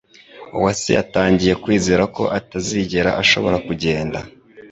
Uwase yatangiye kwizera ko atazigera ashobora kugenda.